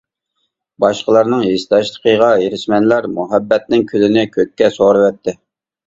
باشقىلارنىڭ ھېسداشلىقىغا ھېرىسمەنلەر مۇھەببىتىمنىڭ كۈلىنى كۆككە سورۇۋەتتى.